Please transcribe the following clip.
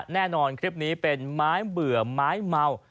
คลิปนี้เป็นไม้เบื่อไม้เมา